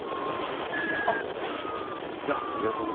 あっじゃあ喜んで。